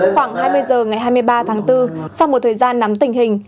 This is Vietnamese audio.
khoảng hai mươi h ngày hai mươi ba tháng bốn sau một thời gian nắm tình hình